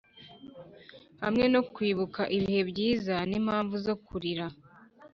hamwe no kwibuka ibihe byiza n'impamvu zo kurira.